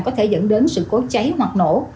có thể dẫn đến sự cố cháy hoặc nổ